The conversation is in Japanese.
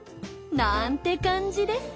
なんて感じです。